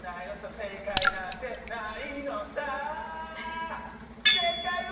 正解なんてないのさ。